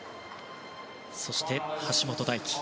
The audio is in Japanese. そして、橋本大輝。